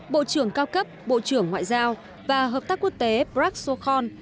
bộ trưởng cao cấp bộ trưởng ngoại giao và hợp tác quốc tế praksokhon